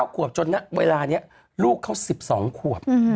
๙ขวบจนเวลานี้ลูกเขา๑๒ขวบ